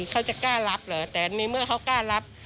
เขาจะกล้ารับเหรอแต่ในเมื่อเขากล้ารับ